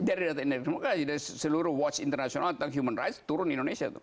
dari data indek demokrasi dari seluruh watch internasional tentang human rights turun indonesia tuh